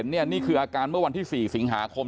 พี่สาวของเธอบอกว่ามันเกิดอะไรขึ้นกับพี่สาวของเธอ